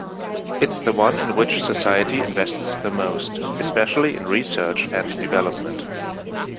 It’s the one in which society invests the most, especially in research and development.